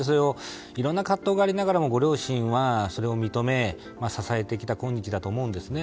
いろんな葛藤がありながらもご両親はそれを認め、支えてきた今日だと思うんですね。